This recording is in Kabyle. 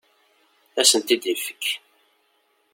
Ad asent-t-id-ifek.